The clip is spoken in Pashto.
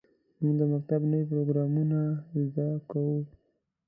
موږ د مکتب نوې پروګرامونه زده کوو.